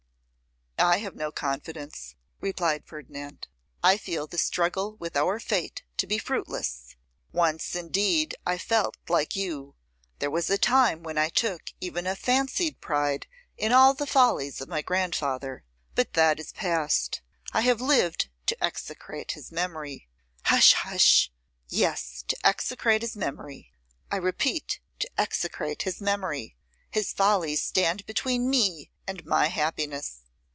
'I have no confidence,' replied Ferdinand; 'I feel the struggle with our fate to be fruitless. Once indeed I felt like you; there was a time when I took even a fancied pride in all the follies of my grandfather. But that is past; I have lived to execrate his memory.' 'Hush! hush!' 'Yes, to execrate his memory! I repeat, to execrate his memory! His follies stand between me and my happiness.